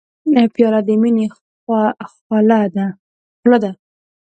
پیاله د مینې خوله ده.